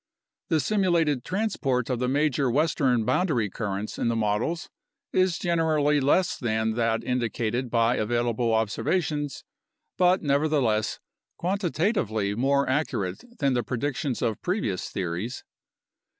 The simulated transport of the major western boundary currents in the models is generally less than that indicated by available observations but nevertheless quantitatively more accurate than the predictions of previous theories.